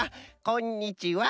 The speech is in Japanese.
こんにちは。